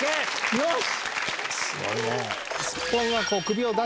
よし！